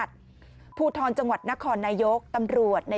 สุดยอดดีแล้วล่ะ